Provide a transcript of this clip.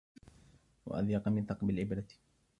أضيق من ثقب الإبرة